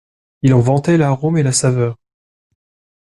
Il en vantait l'arôme et la saveur.